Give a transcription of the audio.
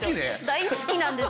大好きなんです。